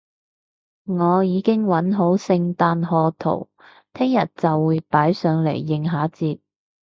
我已經搵好聖誕賀圖，聽日就會擺上嚟應下節